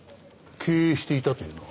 「経営していた」というのは？